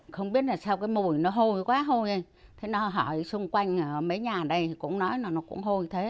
không biết là sao cái mùi nó hôi quá hôi thế nó hỏi xung quanh mấy nhà đây cũng nói là nó cũng hôi thế